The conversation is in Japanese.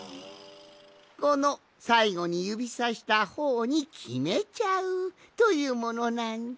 このさいごにゆびさしたほうにきめちゃう！というものなんじゃ。